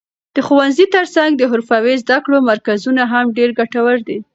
د ښوونځي تر څنګ د حرفوي زده کړو مرکزونه هم ډېر ګټور دي.